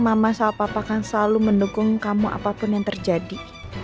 mama sama papa kan selalu mendukung kamu apapun yang terjadi